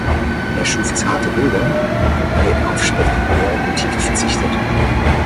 Er schuf zarte Bilder, wobei er auf spektakuläre Motive verzichtet.